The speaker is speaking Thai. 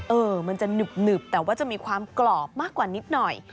เออมันจะหนึบแต่ว่าจะมีความกรอบมากกว่านิดหน่อย